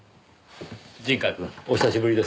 陣川くんお久しぶりですねぇ。